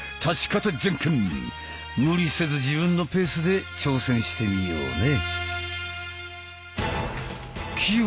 無理せず自分のペースで挑戦してみようね！